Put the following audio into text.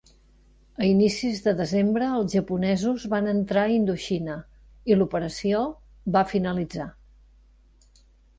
A inicis de desembre els japonesos van entrar a Indoxina i l'operació va finalitzar.